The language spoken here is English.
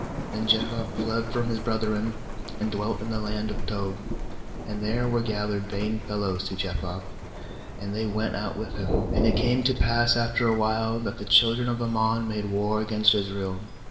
8Then Jephthah fled from lis brethren, and dwelt in the land of Tob; and there were gathered vain JUDGES 11.23 fellows to Jephthah, and they went out with him. 4And it came to pass after a while, that the children of Ammon made war against Israel.